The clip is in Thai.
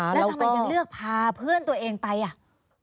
แล้วทำไมยังเลือกพาเพื่อนตัวเองไปอ่ะ